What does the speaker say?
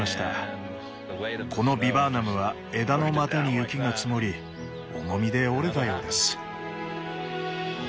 このビバーナムは枝の股に雪が積もり重みで折れたようです。